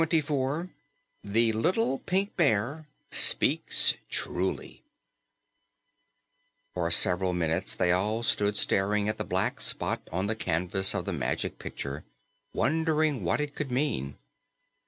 CHAPTER 24 THE LITTLE PINK BEAR SPEAKS TRULY For several minutes they all stood staring at the black spot on the canvas of the Magic Picture, wondering what it could mean.